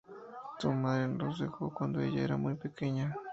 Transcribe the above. Su madre los dejó cuando ella era muy pequeña.